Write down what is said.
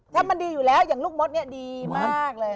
ถ้ามันดีอยู่แล้วอย่างลูกมดเนี่ยดีมากเลย